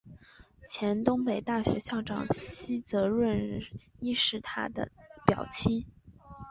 前东北大学校长西泽润一是他的表亲。